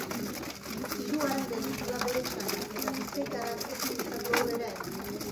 Hirugarren gelditu da bere txandan, eta bizkaitarrak ezin izan du aurrera egin.